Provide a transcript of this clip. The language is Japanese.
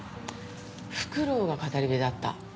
フクロウが語り部だった。